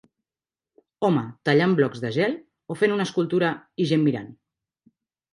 Home tallant blocs de gel o fent una escultura i gent mirant.